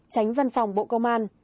tránh văn phòng bộ công an